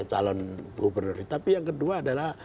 calon gubernur tapi yang kedua adalah